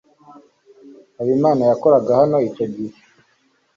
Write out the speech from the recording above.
Habimana yakoraga hano icyo gihe